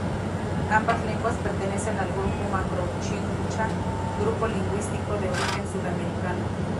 Ambas lenguas pertenecen al grupo macro-chibcha, grupo lingüístico de origen sudamericano.